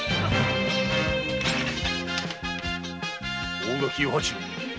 大垣与八郎。